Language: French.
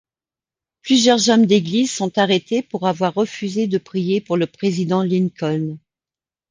Plusieurs hommes d'Église sont arrêtés pour avoir refusé de prier pour le président Lincoln.